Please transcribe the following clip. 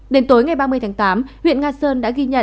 đến tối ngày ba mươi tháng tám huyện nga sơn đã ghi nhận